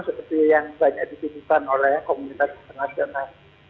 seperti yang banyak ditimbukan oleh komunitas internasional